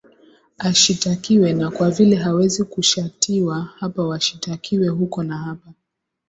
ashitakiwe na kwa vile hawezi kushatiwa hapa washitakiwe huko na hapa